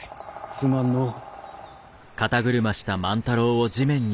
すまんのう。